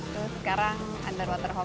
terus sekarang underwater hoki